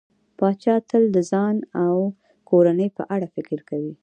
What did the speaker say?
پاچا تل د ځان او کورنۍ په اړه فکر کوي.